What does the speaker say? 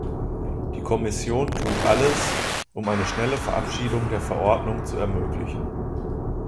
Die Kommission tut alles, um eine schnelle Verabschiedung der Verordnung zu ermöglichen.